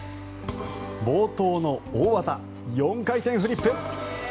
冒頭の大技、４回転フリップ。